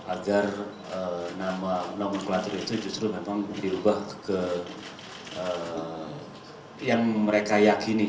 agar nama nomenklatur itu justru memang dirubah ke yang mereka yakini